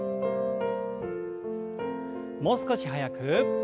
もう少し速く。